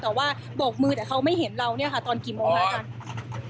แต่ที่บอกมือเขาไม่เห็นเราตอนกี่โมงครับ